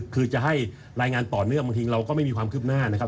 คือจะให้รายงานต่อเนื่องบางทีเราก็ไม่มีความคืบหน้านะครับ